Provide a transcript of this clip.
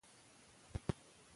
که امنیت وي نو ویره نه خپریږي.